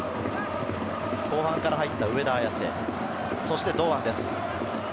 後半から入った上田、そして堂安です。